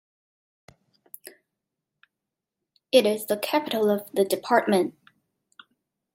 It is the capital of the department.